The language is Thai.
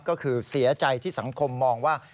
ก็คือเสียใจที่สังคมมองว่า